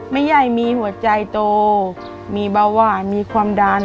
แม่ใหญ่มีหัวใจโตมีเบาหวานมีความดัน